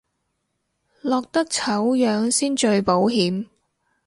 落得醜樣先最保險